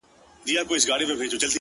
ژوند ټوله پند دی؛